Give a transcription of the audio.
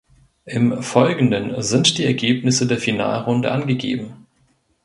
Im Folgenden sind die Ergebnisse der Finalrunde angegeben.